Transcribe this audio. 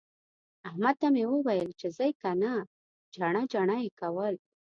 احمد ته مې وويل چې ځې که نه؟ جڼه جڼه يې کول.